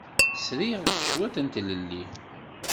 Sriɣ cwiṭ n tlelli.